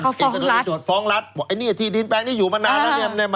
เขาฟ้องรัฐฟ้องรัฐไอ้ที่ดินแปลงนี้อยู่มานานแล้ว